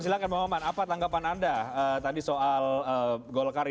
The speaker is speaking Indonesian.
silahkan bang maman apa tanggapan anda tadi soal golkar ini